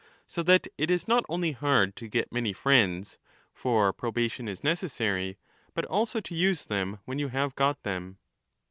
So that it is not only hard to get many friends — for probation is necessary — but also to use 35 them when you have got them.